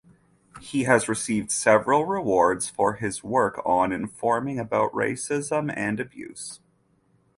He has received several rewards for his work on informing about racism and abuse.